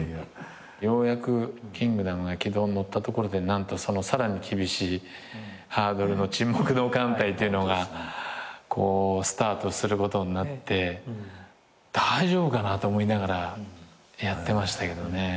ようやく『キングダム』が軌道に乗ったところで何とさらに厳しいハードルの『沈黙の艦隊』っていうのがスタートすることになって大丈夫かなと思いながらやってましたけどね。